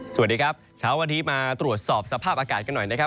สวัสดีครับเช้าวันนี้มาตรวจสอบสภาพอากาศกันหน่อยนะครับ